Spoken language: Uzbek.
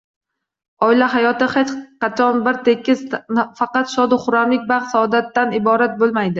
Oila hayoti hech qachon bir tekis, faqat shodu xurramlik, baxt-saodatdan iborat bo‘lmaydi